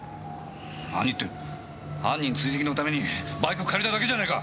何って犯人追跡のためにバイク借りただけじゃないか！